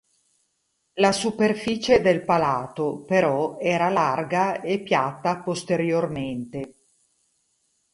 La superficie del palato, però, era larga e piatta posteriormente.